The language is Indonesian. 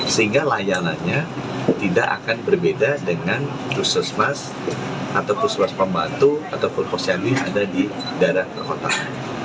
sehingga layanannya tidak akan berbeda dengan puskesmas atau puskes pembantu ataupun posyami yang ada di daerah kota